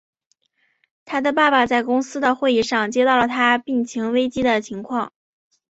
他的爸爸在公司的会议上接到了他病情危机的情况。